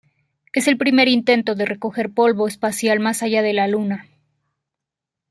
Es el primer intento de recoger polvo espacial más allá de la Luna.